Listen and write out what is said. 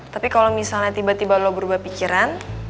tapi kalau misalnya tiba tiba lo berubah pikiran